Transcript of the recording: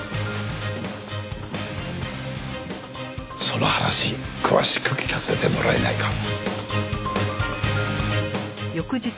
その話詳しく聞かせてもらえないか？